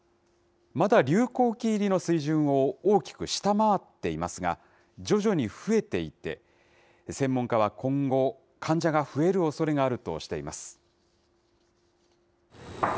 まだ流行期入りの水準を大きく下回っていますが、徐々に増えていて、専門家は今後、患者が増えるおそれがあるとしています。